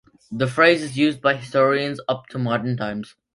The phrase is used by historians up to modern times.